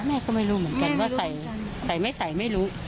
แม่ก็ไม่รู้เหมือนกันว่าใส่ไม่ใส่ไม่รู้